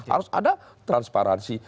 harus ada transparansi